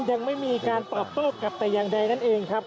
ยังไม่มีการตอบโต้กลับแต่อย่างใดนั่นเองครับ